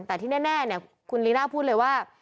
แต่ที่แน่คุณลีน่าพูดเลยว่า